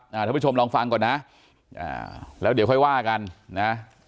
ท่านผู้ชมลองฟังก่อนนะอ่าแล้วเดี๋ยวค่อยว่ากันนะ